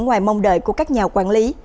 ngoài mong đợi của các nhà quản lý